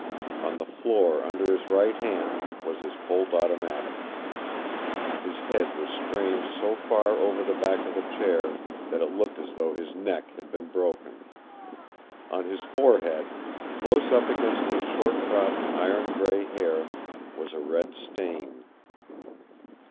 On the floor under his right hand was his Colt automatic. His head was strained so far over the back of the chair that it looked as though his neck had been broken. On his forehead, close up against his short cropped, iron gray hair, was a red stain.